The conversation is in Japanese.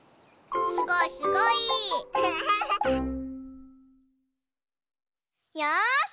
すごいすごい！よし！